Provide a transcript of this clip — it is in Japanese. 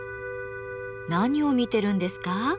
何を見てるんですか？